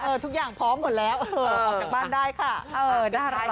เออทุกอย่างพร้อมหมดแล้วเออออกจากบ้านได้ค่ะเออได้รัก